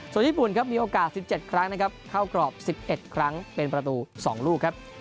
ส่วนญี่ปุ่นครับมีโอกาส๑๗ครั้งนะครับเข้ากรอบ๑๑ครั้งเป็นประตู๒ลูกครับ